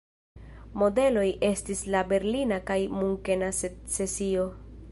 Modeloj estis la berlina kaj munkena secesio.